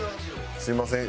すみません。